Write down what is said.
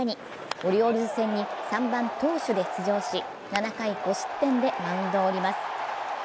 オリオールズ戦に３番・投手で出場し７回５失点でマウンドを降ります。